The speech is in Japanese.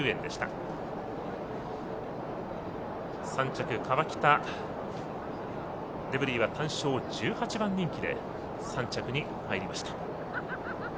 ３着カワキタレブリーは単勝１８番人気で３着に入りました。